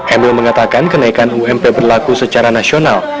emil mengatakan kenaikan ump berlaku secara nasional